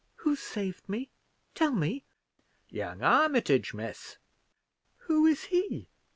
"Who saved me? tell me." "Young Armitage, miss." "Who is he?